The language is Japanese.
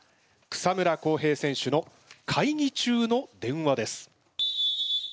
草村航平選手の会議中の電話です。